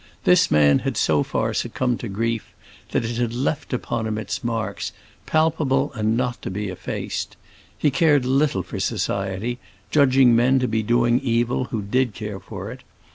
This man had so far succumbed to grief, that it had left upon him its marks, palpable and not to be effaced. He cared little for society, judging men to be doing evil who did care for it.